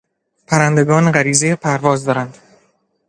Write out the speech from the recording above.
پرندگان غریزهی پرواز دارند.